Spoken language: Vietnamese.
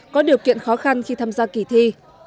có điều kiện khó khăn khi tham gia kỳ thi